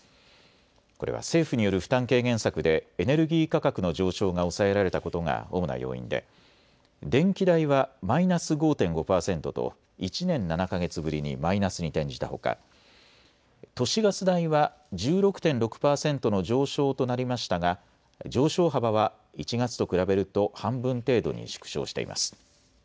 これは政府による負担軽減策でエネルギー価格の上昇が抑えられたことが主な要因で電気代はマイナス５．５％と１年７か月ぶりにマイナスに転じたほか、都市ガス代は１６．６％の上昇となりましたが上昇幅は１月と比べると半分程度に縮小しています。